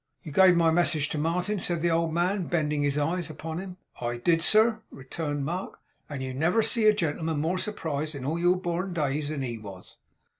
'You gave my message to Martin?' said the old man, bending his eyes upon him. 'I did, sir,' returned Mark; 'and you never see a gentleman more surprised in all your born days than he was.